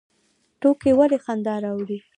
ټوکې ولې خندا راوړي؟